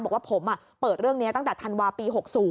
บอกว่าผมเปิดเรื่องนี้ตั้งแต่ธันวาปี๖๐